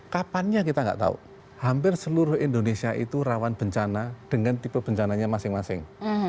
kapannya kita nggak tahu hampir seluruh indonesia itu rawan bencana dengan tipe bencananya masing masing